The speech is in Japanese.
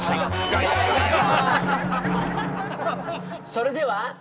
それでは。